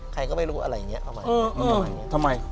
ใครก็ไม่รู้อะไรอย่างเนี่ย